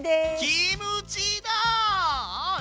キムチだ！